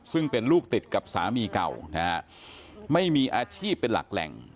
ซึ่งเป็นลูกติดกับสามีเก่านะฮะไม่มีอาชีพเป็นหลักแหล่ง